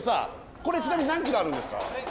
これちなみに何キロあるんですか？